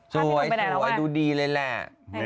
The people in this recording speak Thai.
ช่วยช่วยดูดีเลยแหละ